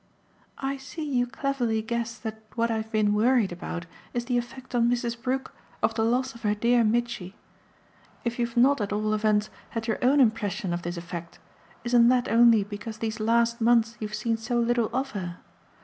"I see you cleverly guess that what I've been worried about is the effect on Mrs. Brook of the loss of her dear Mitchy. If you've not at all events had your own impression of this effect, isn't that only because these last months you've seen so little of her?